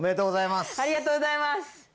ありがとうございます。